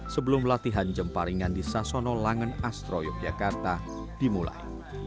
sebelum latihan jemparingan di sasono langen astroyok jakarta dimulai